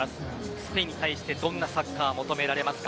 スペインに対してどんなサッカー求められますか。